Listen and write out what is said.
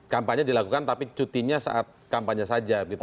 kampanye dilakukan tapi cutinya saat kampanye saja